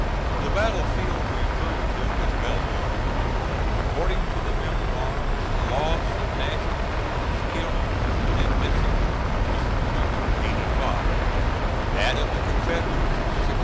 ] [The battlefield referred to is Belmont. According to the Memoirs, the loss of national troops, killed, wounded, and missing, was 485; that of the Confederates, 642.